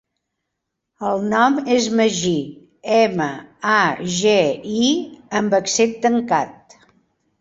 El nom és Magí: ema, a, ge, i amb accent tancat.